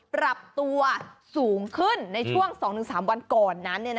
ปรับตัวสูงขึ้นในช่วง๒๓วันก่อนนั้น